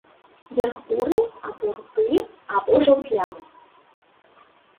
Верх буры або руды, або жаўтлявы.